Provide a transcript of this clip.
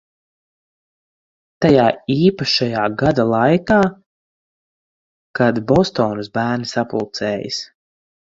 Tajā īpašajā gada laikā, kad Bostonas bērni sapulcējas.